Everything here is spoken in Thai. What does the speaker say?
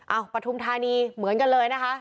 ปฐุมธานีเหมือนกันเลยนะคะ